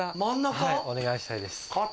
お願いしたいです。